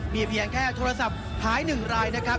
มีเพียงแค่โทรศัพท์หาย๑รายนะครับ